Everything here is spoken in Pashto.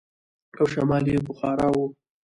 او شمال يې بخارا و.